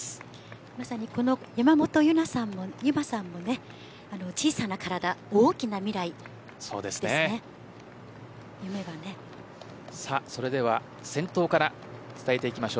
まさに山本有真さんもね小さな体、大きな未来それでは先頭から伝えていきましょう。